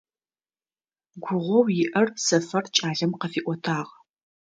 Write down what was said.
Гугъоу иӀэр Сэфэр кӀалэм къыфиӀотагъ.